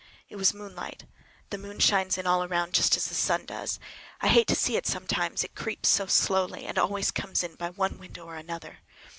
It was moonlight. The moon shines in all around, just as the sun does. I hate to see it sometimes, it creeps so slowly, and always comes in by one window or another.